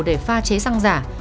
để pha chế xăng giả